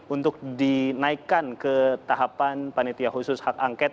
untuk dinaikkan ke tahapan panitia khusus hak angket